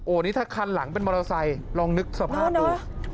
นี่ถ้าคันหลังเป็นมอเตอร์ไซค์ลองนึกสภาพดู